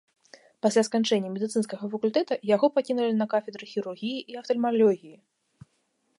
Пасля сканчэння медыцынскага факультэта яго пакінулі на кафедры хірургіі і афтальмалогіі.